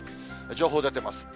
情報出てます。